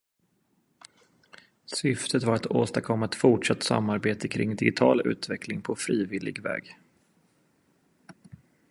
Syftet var att åstadkomma ett fortsatt samarbete kring digital utveckling på frivillig väg.